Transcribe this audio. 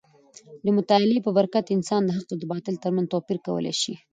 د مطالعې په برکت انسان د حق او باطل تر منځ توپیر کولی شي.